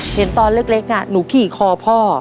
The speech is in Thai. เห็นตอนเล็กหนูขี่คอพ่อ